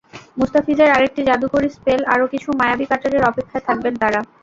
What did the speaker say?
মুস্তাফিজের আরেকটি জাদুকরি স্পেল, আরও কিছু মায়াবী কাটারের অপেক্ষায় থাকবেন তাঁরা।